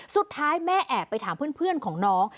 สุดท้ายแม่แอบไปถามเพื่อนของน้อง